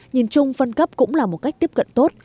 nhìn chung phân cấp cũng là một cách tiếp cận tốt